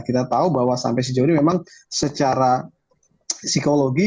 kita tahu bahwa sampai sejauh ini memang secara psikologi